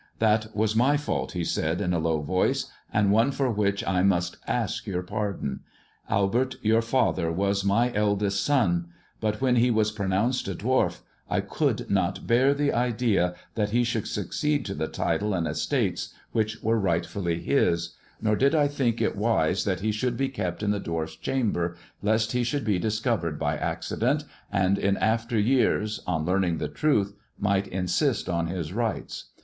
"That was my fault," he said, in a low voice, " and one for which I must ask your pardon. Albert, your father^ THE dwarf's chamber 159 was my eldest son ; but when he was pronounced a dwarf I could not bear the idea that he should succeed to the title and estates, which were rightfully his, nor did I think it wise that he should be kept in the dwarf's chamber, lest he should be discovered by accident, and in after years, on learning the truth, might insist on his rights.